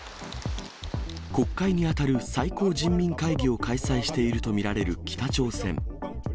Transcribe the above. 国会に当たる最高人民会議を開催していると見られる北朝鮮。